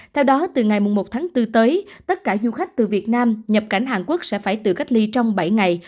theo đó từ ngày một tháng bốn tới tất cả du khách từ việt nam nhập cảnh hàn quốc sẽ phải tự cách ly trong bảy ngày